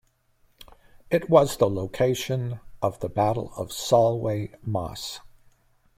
It was the location of the Battle of Solway Moss.